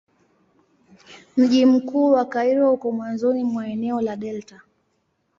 Mji mkuu wa Kairo uko mwanzoni mwa eneo la delta.